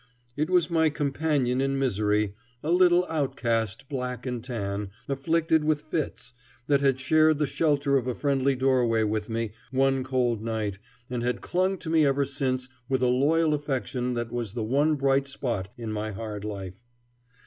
It was my companion in misery, a little outcast black and tan, afflicted with fits, that had shared the shelter of a friendly doorway with me one cold night and had clung to me ever since with a loyal affection that was the one bright spot in my hard life.